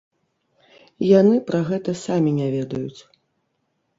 Яны пра гэта самі не ведаюць.